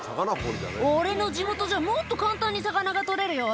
「俺の地元じゃもっと簡単に魚が取れるよ」